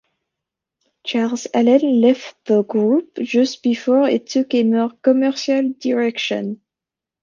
Charles Allen left the group just before it took a more commercial direction.